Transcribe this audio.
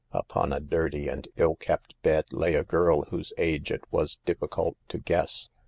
Upon a dirty and ill kept bed lay a girl whose age it was difficult to guess.